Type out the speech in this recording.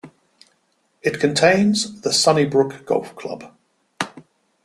It contains the Sunnybrook Golf Club.